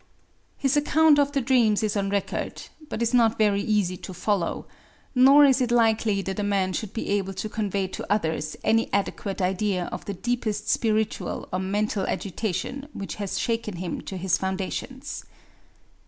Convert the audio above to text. His account of the dreams is on record, but is not very easy to follow; nor is it likely that a man should be able to convey to others any adequate idea of the deepest spiritual or mental agitation which has shaken him to his foundations.